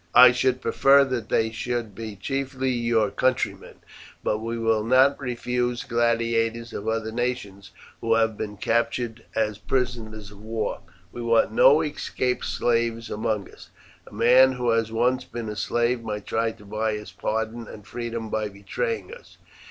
I should prefer that they should be chiefly your countrymen, but we will not refuse gladiators of other nations who have been captured as prisoners of war. We want no escaped slaves among us. A man who has once been a slave might try to buy his pardon and freedom by betraying us.